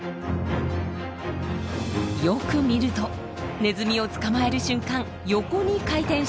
よく見るとネズミを捕まえる瞬間横に回転しています。